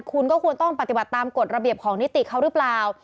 คุณก็ควรต้องปฏิบัติตามกฎระเบียบของนิติเขาหรือเปล่า